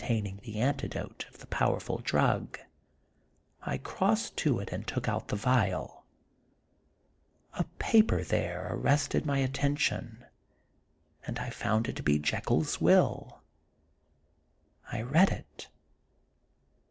37 taining the antidote of the powerful drug, I crossed to it and took out the vial. A paper there arrested my attention, and I found it to be Jekyll's will. I read it.